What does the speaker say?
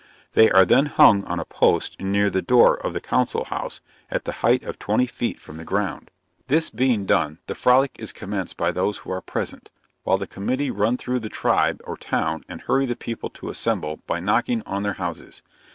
They are then hung on a post near the door of the council house, at the height of twenty feet from the ground. This being done, the frolic is commenced by those who are present, while the committee run through the tribe or town, and hurry the people to assemble, by knocking on their houses.